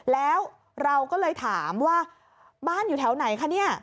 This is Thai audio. แล้วเราก็เลยถามว่าบ้านอยู่แถวไหนคะเนี่ย